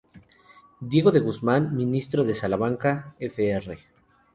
Diego de Guzmán, "Ministro de Salamanca", fr.